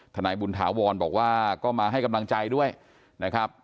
นายบุญถาวรบอกว่าก็มาให้กำลังใจด้วยนะครับ